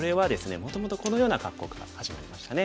もともとこのような格好から始まりましたね。